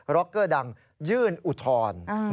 ร็อกเกอร์ดังยื่นอุทธรณ์